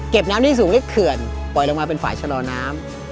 น้ำที่สูงเล็กเขื่อนปล่อยลงมาเป็นฝ่ายชะลอน้ำ